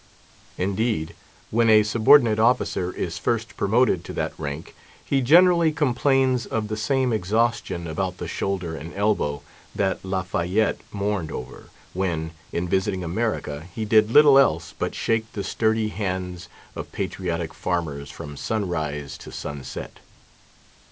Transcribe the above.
Indeed, when a subordinate officer is first promoted to that rank, he generally complains of the same exhaustion about the shoulder and elbow that La Fayette mourned over, when, in visiting America, he did little else but shake the sturdy hands of patriotic farmers from sunrise to sunset.